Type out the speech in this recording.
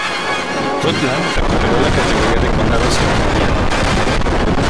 Rutland recuperó la categoría de condado ceremonial.